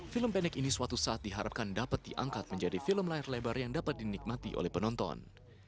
film pendek ini suatu saat diharapkan dapat diangkat menjadi film layar lebar yang dapat dinikmati oleh penonton